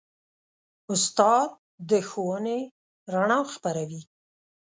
استاد د ښوونې رڼا خپروي.